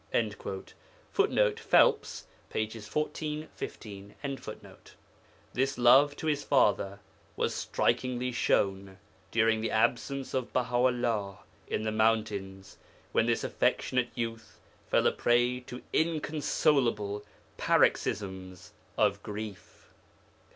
[Footnote: Phelps, pp. 14, 15.] This love to his father was strikingly shown during the absence of Baha 'ullah in the mountains, when this affectionate youth fell a prey to inconsolable paroxysms of grief.